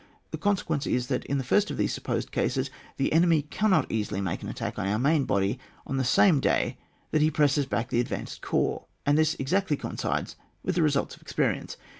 The consequence is, that in the first of these supposed cases the enemy cannot easily make an atta:jk on our main body on the same day that he presses back the advanced corps, and this exactly coincides with the results of experience.